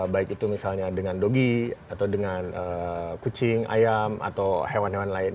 baik itu misalnya dengan dogi atau dengan kucing ayam atau hewan hewan lain